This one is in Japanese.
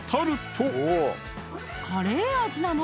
カレー味なの？